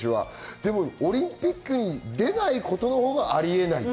でもオリンピックに出ないことのほうがありえない。